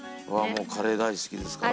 もうカレー大好きですから私。